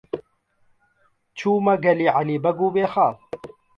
چوومە گەلی عەلی بەگ و بێخاڵ.